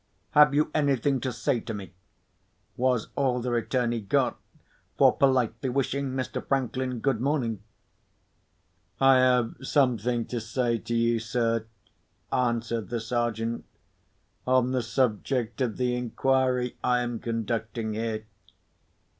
"Have you anything to say to me?" was all the return he got for politely wishing Mr. Franklin good morning. "I have something to say to you, sir," answered the Sergeant, "on the subject of the inquiry I am conducting here.